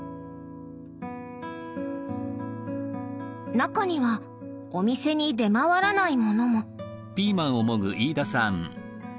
中にはお店に出回らないものも。